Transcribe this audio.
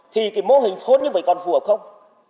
thì cái mô hình khôn như vậy còn phù hợp không